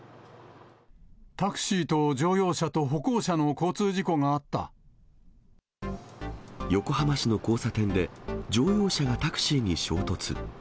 タクシーと乗用車と歩行者の横浜市の交差点で、乗用車がタクシーに衝突。